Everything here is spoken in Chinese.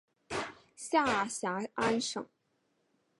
下辖安省。